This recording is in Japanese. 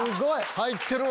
入ってるわ！